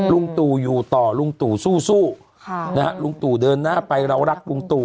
ลุงตู่อยู่ต่อลุงตู่สู้ลุงตู่เดินหน้าไปเรารักลุงตู่